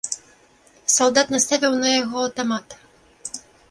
Салдат наставіў на яго аўтамат.